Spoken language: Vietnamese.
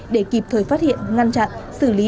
để kịp thời phát hiện ngăn chặn xử lý